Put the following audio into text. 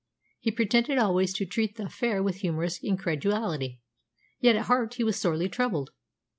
He pretended always to treat the affair with humorous incredulity, yet at heart he was sorely troubled.